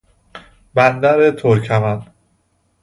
بندر ترکمن